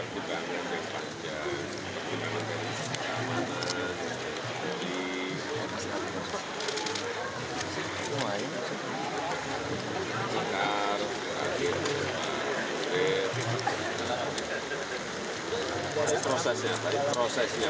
sudah membentuk kota di mana